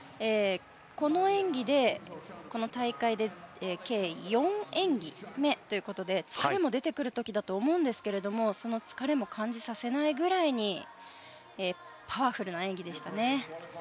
この演技でこの大会で計４演技目ということで疲れも出てくる時だと思うんですけどもその疲れも感じさせないぐらいにパワフルな演技でしたね。